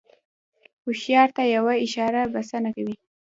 هوښیار ته یوه اشاره بسنه کوي.